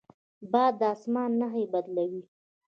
باد د اسمان نښې بدلوي